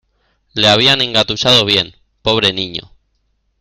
Le habían engatusado bien, pobre niño.